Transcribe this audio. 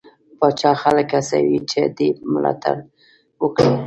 پاچا خلک هڅوي چې دې ده ملاتړ وکړي.